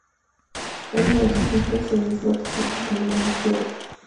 Hay numerosas islas e islotes en el fiordo.